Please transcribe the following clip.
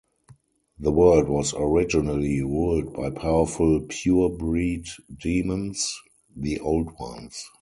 The world was originally ruled by powerful pure-breed demons, the Old Ones.